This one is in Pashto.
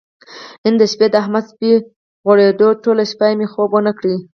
نن د شپې د احمد سپی غورېدو ټوله شپه یې مې خوب ونه کړ.